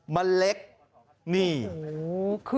มะเล็ก